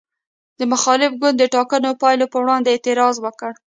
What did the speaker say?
د مخالف ګوند د ټاکنو پایلو پر وړاندې اعتراض وکړ.